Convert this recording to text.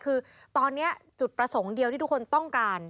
คือตอนนี้จุดประสงค์เดียวที่ทุกคนต้องการ